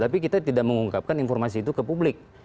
tapi kita tidak mengungkapkan informasi itu ke publik